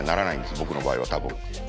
僕の場合は多分。